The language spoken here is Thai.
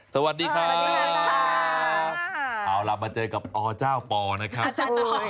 สวัสดีค่ะสวัสดีค่ะเอาล่ะมาเจอกับอจ้าวปนะครับ